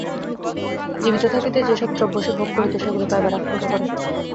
জীবিত থাকিতে যে-সব দ্রব্য সে ভোগ করিত, সেগুলি পাইবার আকাঙ্ক্ষা করে।